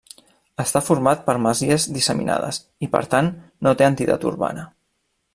Està format per masies disseminades i, per tant, no té entitat urbana.